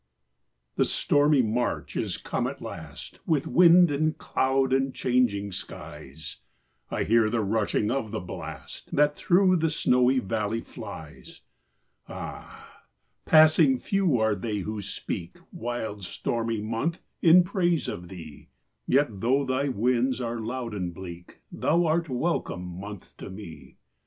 The stormy March is come at last, With wind and cloud and changing skies; I hear the rushing of the blast, That through the snowy valley flies. Ah, passing few are they who speak, Wild, stormy month, in praise of thee; Yet, though thy winds are loud and bleak, Thou art welcome month to me.